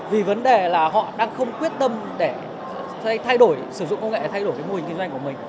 vì vấn đề là họ đang không quyết tâm để thay đổi sử dụng công nghệ để thay đổi cái mô hình kinh doanh của mình